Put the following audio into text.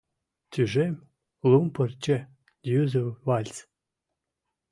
Тӱжем лум пырче — юзо вальс!